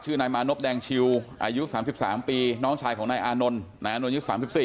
ชื่อนายมานพแดงชิวอายุ๓๓ปีน้องชายของนายอานนลอายุ๓๔